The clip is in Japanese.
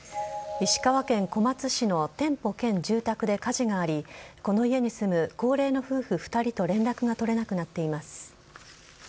石川県小松市の店舗兼住宅で火事がありこの家に住む高齢の夫婦２人と連絡が取れなくなっています。